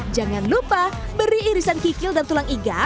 jangan lupa beri irisan kikil dan tulang iga